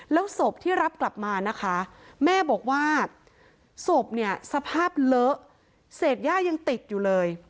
แล้วศพที่รับกลับมานะคะแม่บอกว่าศพเนี่ยสภาพเลอะเศษย่ายังติดอยู่เลย